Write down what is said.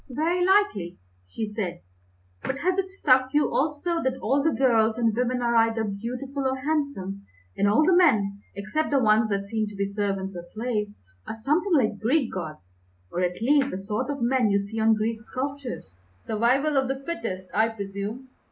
"Very likely," she said; "but has it struck you also that all the girls and women are either beautiful or handsome, and all the men, except the ones that seem to be servants or slaves, are something like Greek gods, or, at least, the sort of men you see on the Greek sculptures?" "Survival of the fittest, I presume.